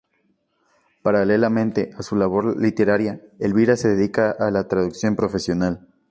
Paralelamente a su labor literaria, Elvira se dedica a la traducción profesional.